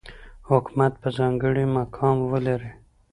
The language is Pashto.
حکومت به ځانګړی مقام ولري.